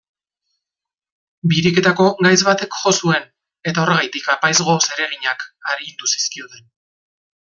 Biriketako gaitz batek jo zuen, eta horregatik apaizgo-zereginak arindu zizkioten.